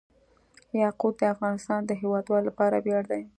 یاقوت د افغانستان د هیوادوالو لپاره ویاړ دی.